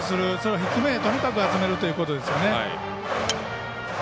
低めへ、とにかく集めるということですよね。